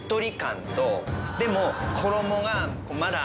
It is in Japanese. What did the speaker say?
でも。